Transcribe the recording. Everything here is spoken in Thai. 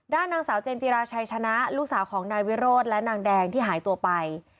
นางสาวเจนจิราชัยชนะลูกสาวของนายวิโรธและนางแดงที่หายตัวไป